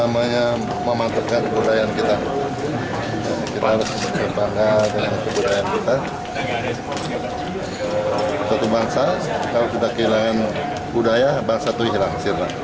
menteri berkata seperti apa sekarang